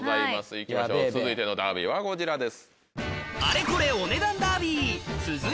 行きましょう続いてのダービーはこちらです。